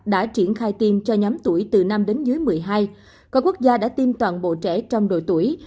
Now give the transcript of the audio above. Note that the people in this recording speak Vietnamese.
đã triển khai tiêm cho nhóm tuổi từ năm đến dưới một mươi hai có quốc gia đã tiêm toàn bộ trẻ trong độ tuổi